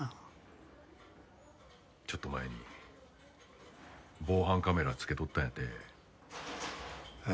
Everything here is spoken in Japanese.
ちょっと前に防犯カメラつけとったんやてえ。